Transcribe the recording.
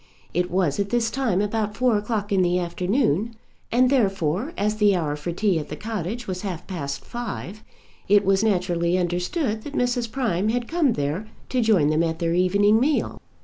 It was at this time about four o'clock in the afternoon, and therefore, as the hour for tea at the cottage was half past five, it was naturally understood that Mrs. Prime had come there to join them at their evening meal.